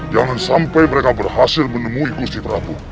jangan sampai mereka berhasil menemui musti pragu